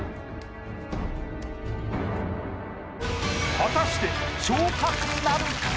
果たして昇格なるか？